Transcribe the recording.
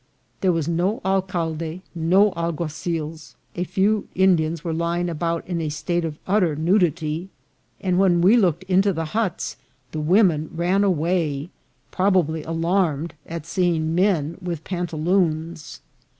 There was no alcalde, no alguazils ; a few Indians were lying about in a state of utter nudity, and when we looked into the huts the women ran away, probably alarmed at seeing men with pantaloons.